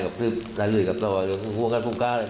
ไม่ได้ลืดกระป่าวด้วยหัวงานคงมอนกาเด็ด